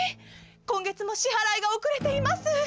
今月も支払いが遅れています』。